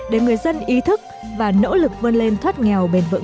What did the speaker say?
để người dân ý thức và nỗ lực vươn lên thoát nghèo bền vững